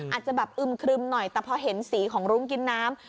อาจจะแบบอึมครึมหน่อยแต่พอเห็นสีของรุ้งกินน้ำ